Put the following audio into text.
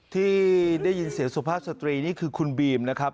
ที่ได้ยินเสียศูบฏสะตรีคือคุณบีมนะครับ